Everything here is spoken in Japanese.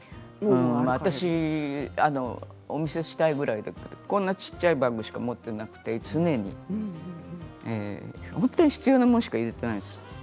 私お見せしたいぐらいこんな小っちゃいバッグしか持っていなくて、常に本当に必要なものしか入れていないんです。